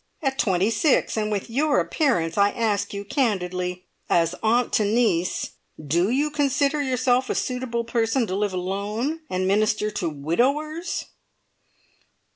At twenty six, and with your appearance, I ask you candidly, as aunt to niece do you consider yourself a suitable person to live alone, and minister to widowers?"